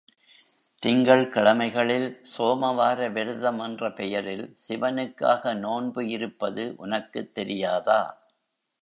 திங்கள் கிழமைகளில் சோம வார விரதம் என்ற பெயரில் சிவனுக்காக நோன்பு இருப்பது உனக்குத் தெரியாதா?